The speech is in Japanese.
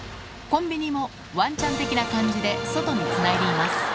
コンビニもワンちゃん的な感じで外につないでいます